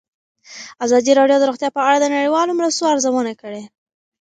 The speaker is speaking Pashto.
ازادي راډیو د روغتیا په اړه د نړیوالو مرستو ارزونه کړې.